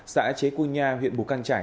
xã chế cung nha huyện bù căn trải